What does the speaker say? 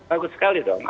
bagus sekali dong